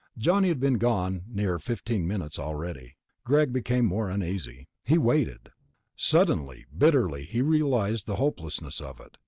Johnny had been gone near 15 minutes already. Greg became more uneasy. He waited. Suddenly, bitterly, he realized the hopelessness of it.